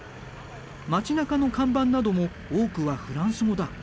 町なかの看板なども多くはフランス語だ。